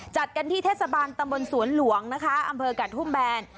จัดกันที่เทศบาลตำบลสวนหลวงนะคะอำเภอกระทุ่มแบน